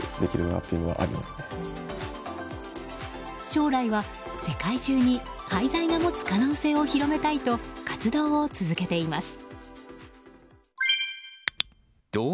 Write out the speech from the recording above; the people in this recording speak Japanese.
将来は世界中に廃材が持つ可能性を広めたいと活動を続けています。